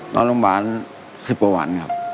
นอนโรงพยาบาล๑๐กว่าวันครับ